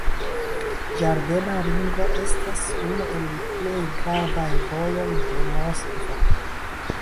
Ĝardena ringo estas unu el plej gravaj vojoj de Moskvo.